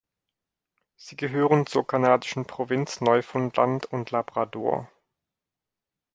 Sie gehören zur kanadischen Provinz Neufundland und Labrador.